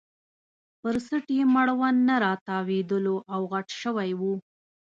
پر څټ یې مړوند نه راتاوېدلو او غټ شوی وو.